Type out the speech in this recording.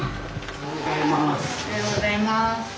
おはようございます。